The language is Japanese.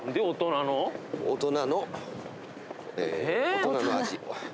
大人の大人の味。